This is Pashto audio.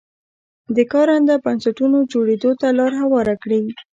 د کارنده بنسټونو جوړېدو ته لار هواره کړي.